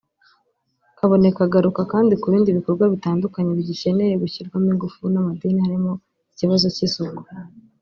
Kaboneka agaruka kandi ku bindi bikorwa bitandukanye bigikeneye gushyirwamo ingufu n’amadini harimo ikibazo cy’isuku